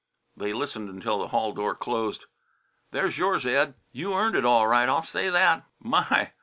They listened until the hall door closed. "There's yours, Ed. You earned it all right, I'll say that. My!